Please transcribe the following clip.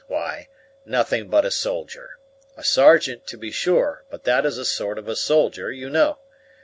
Why, nothing but a soldier. A sergeant, to be sure, but that is a sort of a soldier, you know.